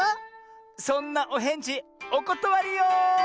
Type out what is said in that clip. そんなおへんじおことわりよ！